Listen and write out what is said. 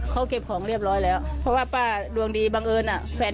เราไม่ออกมาเช้าเหมือนทุกวัน